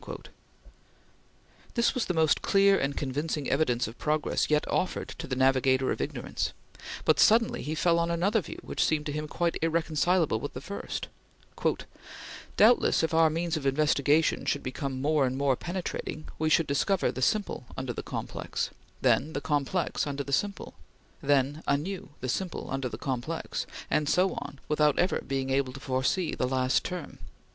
This was the most clear and convincing evidence of progress yet offered to the navigator of ignorance; but suddenly he fell on another view which seemed to him quite irreconcilable with the first: "Doubtless if our means of investigation should become more and more penetrating, we should discover the simple under the complex; then the complex under the simple; then anew the simple under the complex; and so on without ever being able to foresee the last term."